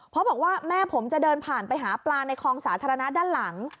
เพราะบอกว่าแม่ผมจะเดินผ่านไปหาปลาในคลองสาธารณะด้านหลัง